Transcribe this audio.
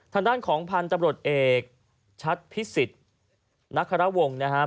ทางด้านของพันธุ์ตำรวจเอกชัดพิสิทธิ์นักคารวงศ์นะครับ